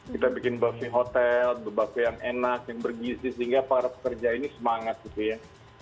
kita bikin buffe hotel the buffety yang enak yang bergizi sehingga para pekerja ini semangat gitu ya